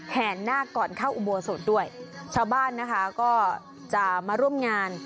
แห่นาคก่อนเข้าอุโบสถด้วยชาวบ้านนะคะก็จะมาร่วมงาน